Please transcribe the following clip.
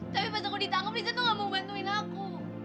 tapi pas aku ditangkap riza tuh gak mau bantuin aku